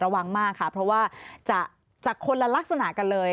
ระวังมากค่ะเพราะว่าจากคนละลักษณะกันเลย